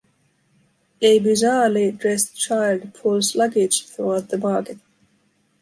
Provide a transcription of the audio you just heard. A bizarrely dressed child pulls luggage throughout the market.